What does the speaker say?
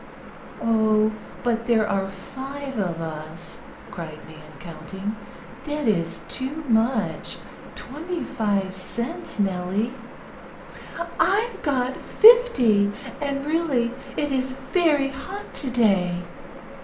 "Oh, but there are five of us!" cried Nan, counting. "That is too much twenty five cents, Nellie." "I've got fifty, and really it is very hot today."